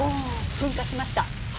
噴火しました。